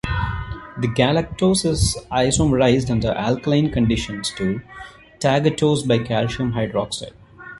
The galactose is isomerized under alkaline conditions to -tagatose by calcium hydroxide.